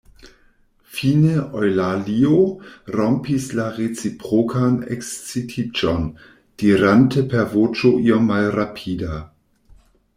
Fine Eŭlalio rompis la reciprokan ekscitiĝon, dirante per voĉo iom malrapida: